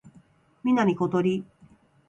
南ことり